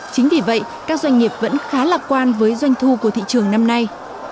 chính vì vậy các doanh nghiệp vẫn khá lạc quan với doanh thu của thị trường năm nay